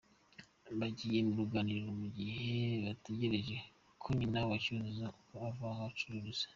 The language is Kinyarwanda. Bagiye mu ruganiriro mugihe bategereje ko nyina wa Cyuzuzo ko ava gucuruza.